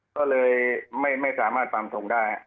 ก็เลยไม่สามารถปั๊มส่งได้